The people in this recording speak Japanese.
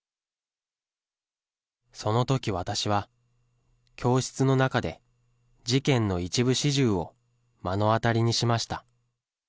そのとき私は教室の中で事件の一部始終を目の当たりにしました。